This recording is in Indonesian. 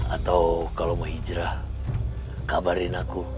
atau kalau mau hijrah kabarin aku